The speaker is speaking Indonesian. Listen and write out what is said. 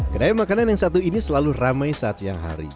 kedai makanan yang satu ini selalu ramai saat siang hari